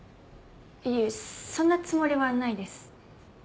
いえそんなつもりはないです。